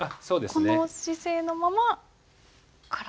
この姿勢のまま体を。